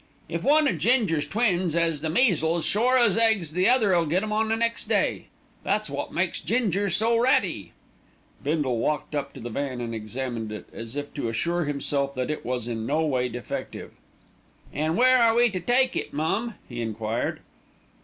"If one o' Ginger's twins 'as the measles, sure as eggs the other'll get 'em the next day. That's wot makes Ginger so ratty." Conscientious objectors to military service. Bindle walked up to the van and examined it, as if to assure himself that it was in no way defective. "An' where are we to take it, mum?" he enquired.